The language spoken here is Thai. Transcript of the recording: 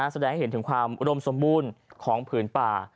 แสดงให้เห็นถึงความอุดมสมบูรณ์ของผืนป่า